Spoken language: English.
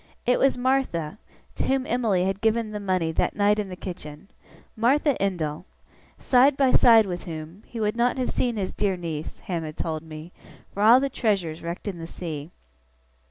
It was Martha, to whom Emily had given the money that night in the kitchen. Martha Endell side by side with whom, he would not have seen his dear niece, Ham had told me, for all the treasures wrecked in the sea.